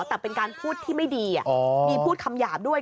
แต่เป็นการพูดที่ไม่ดีมีพูดคำหยาบด้วย